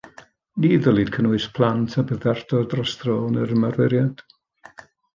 Ni ddylid cynnwys plant â byddardod dros dro yn yr ymarferiad.